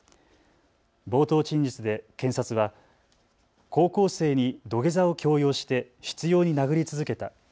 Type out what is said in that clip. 冒頭陳述で検察は高校生に土下座を強要して執ように殴り続けた。